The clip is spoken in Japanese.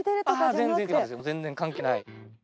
全然関係ない。